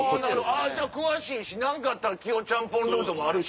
じゃあ詳しいし何かあったらキヨちゃんぽんルートもあるし。